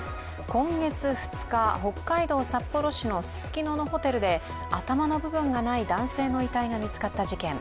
今月２日、北海道札幌市のススキノのホテルで頭の部分がない男性の遺体が見つかった事件。